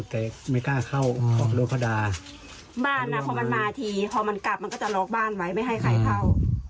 แต่ไม่กล้าเข้ารถเขาด่าบ้านอ่ะพอมันมาทีพอมันกลับมันก็จะล็อกบ้านไว้ไม่ให้ใครเข้า